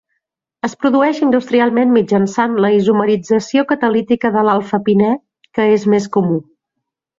Es produeix industrialment mitjançant la isomerització catalítica de l'alfa-pinè, que és més comú.